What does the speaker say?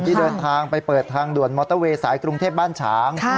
ที่เดินทางไปเปิดทางด่วนมอเตอร์เวย์สายกรุงเทพบ้านฉาง